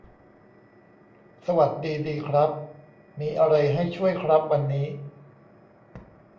สวัสดีดีครับ มีอะไรให้ช่วยครับวันนี้